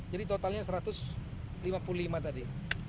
jadi totalnya satu ratus lima puluh lima tadi